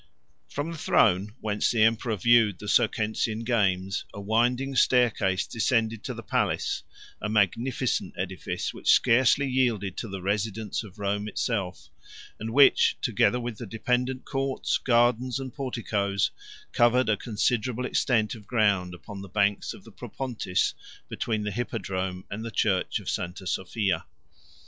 From the throne, whence the emperor viewed the Circensian games, a winding staircase 49 descended to the palace; a magnificent edifice, which scarcely yielded to the residence of Rome itself, and which, together with the dependent courts, gardens, and porticos, covered a considerable extent of ground upon the banks of the Propontis between the Hippodrome and the church of St. Sophia.